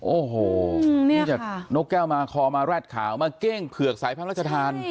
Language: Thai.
โอ้โหนี่จากนกแก้วมาคอมาแรดขาวมาเก้งเผือกสายพระราชทาน